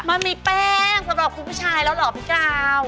มันมีแป้งสำหรับคุณผู้ชายแล้วเหรอพี่กาว